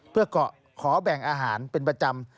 เพื่อเกาะขอแบ่งอาหารเป็นประจำ